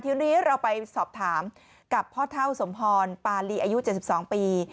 ทีนี้เราไปสอบถามกับพ่อเท่าสมพรปาลีอายุ๗๒ปี